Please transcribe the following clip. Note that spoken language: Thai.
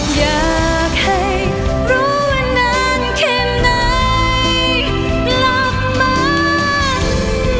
อยากให้รู้นานแค่ไหนมีความเธอขาดใจ